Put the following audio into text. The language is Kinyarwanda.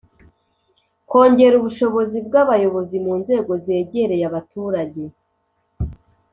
Kongera ubushobozi bw abayobozi mu nzego zegereye abaturage